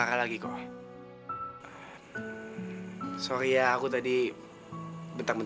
kok fotonya kecil